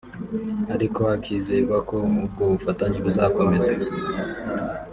ariko hakizerwa ko ubwo bufatanye buzakmeza